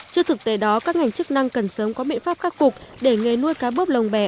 trước thực tế đó các ngành chức năng cần sớm có biện pháp khắc phục để nghề nuôi cá bớp lồng bè